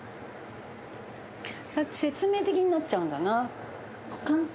説明的になっちゃうんだな。